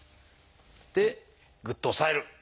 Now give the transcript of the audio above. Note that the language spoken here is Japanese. でぐっと押さえる。